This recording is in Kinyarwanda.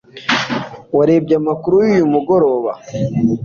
warebye amakuru yuyu mugoroba